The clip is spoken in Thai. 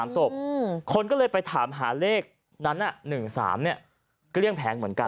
๓ศพคนก็เลยไปถามหาเลขนั้น๑๓เกลี้ยงแผงเหมือนกัน